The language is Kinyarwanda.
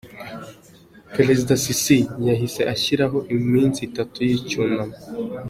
Prezida Sisi, yahise ashyiraho iminsi itatu y’icyunamo.